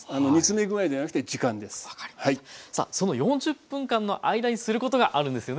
さあその４０分間の間にすることがあるんですよね？